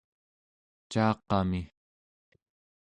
caaqami